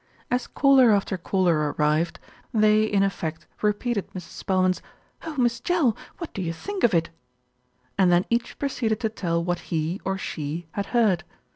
As caller after caller arrived, they, in effect, re peated Mrs. Spelman's "Oh, Miss Jell ! What do you think of it?" and then each proceeded to tell what he, or she, had heard.